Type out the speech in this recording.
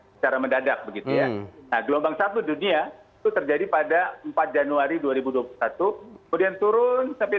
secara mendadak gitu ya agelangerta dunia itu terjadi pada empat januari dua ribu tujuh atuk berhenti turun